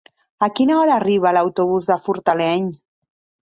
A quina hora arriba l'autobús de Fortaleny?